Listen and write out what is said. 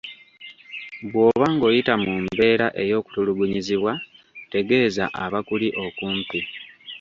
Bw’oba ng’oyita mu mbeera ey’okutulugunyizibwa, tegeeza abakuli okumpi.